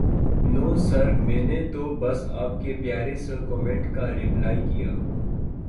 نو sir میں نے تو بس آپ کے پیارے سے کومینٹ کا رپلائے کیا